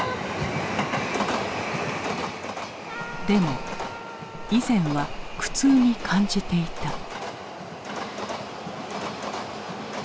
でも以前は苦痛に感じていた。